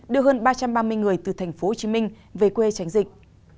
đưa hơn ba trăm ba mươi người từ thành phố hồ chí minh về quê tránh dịch